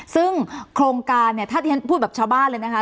ซึ่งโครงการเนี่ยถ้าที่ฉันพูดแบบชาวบ้านเลยนะคะ